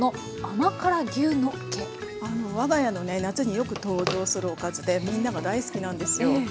我が家のね夏によく登場するおかずでみんなが大好きなんですよ。